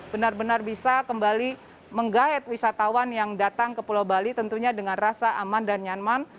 benar benar bisa kembali menggait wisatawan yang datang ke pulau bali tentunya dengan rasa aman dan nyaman